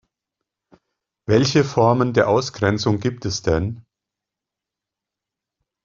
Welche Formen der Ausgrenzung gibt es denn?